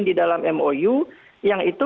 di dalam mou yang itu